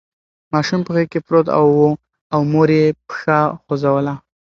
ماشوم په غېږ کې پروت و او مور یې پښه خوځوله.